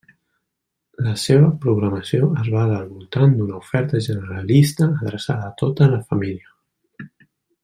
La seva programació es basa al voltant d'una oferta generalista adreçada a tota la família.